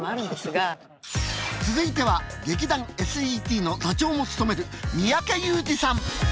続いては劇団ＳＥＴの座長も務める三宅裕司さん。